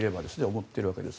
思っているわけです。